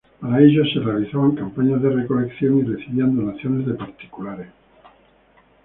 Para ello, se realizaban campañas de recolección y recibían donaciones de particulares.